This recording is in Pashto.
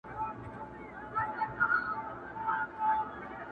o نجلۍ په درد کي ښورېږي او ساه يې درنه او سخته ده,